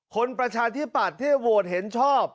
คนประชาธิปัฏที่โหวดเห็นชอบ